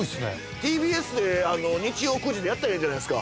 ＴＢＳで日曜９時でやったらええんじゃないですか